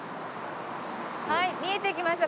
はい見えてきました。